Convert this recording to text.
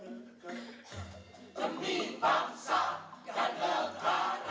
demi bangsa dan negara